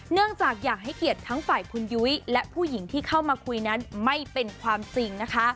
เนื่องจากอยากให้เกียรติทั้งฝ่ายคุณยุ้ยและผู้หญิงที่เข้ามาคุยนั้นไม่เป็นความจริงนะคะ